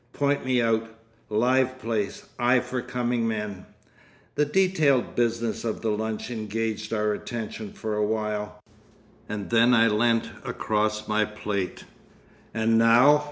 "Point me out. Live place! Eye for coming men!" The detailed business of the lunch engaged our attention for a while, and then I leant across my plate. "And NOW?"